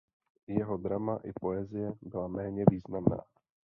Jeho drama i poezie byla méně významná.